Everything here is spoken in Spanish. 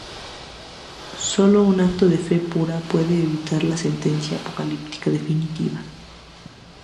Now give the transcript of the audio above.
Solo un acto de fe pura puede evitar la sentencia apocalíptica definitiva.